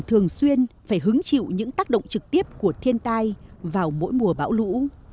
thường xuyên phải hứng chịu những tác động trực tiếp của thiên tai vào mỗi mùa bão lũ